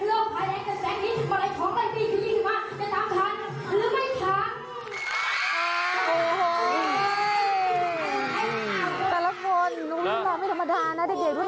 โอ้โหแต่ละคนไม่ธรรมดานะเด็กทุกคน